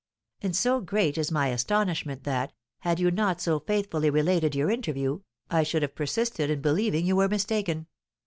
And so great is my astonishment that, had you not so faithfully related your interview, I should have persisted in believing you were mistaken.